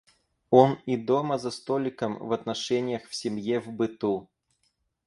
Он и дома за столиком, в отношеньях, в семье, в быту.